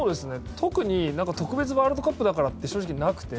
特に、特別ワールドカップだからというのは正直、なくて。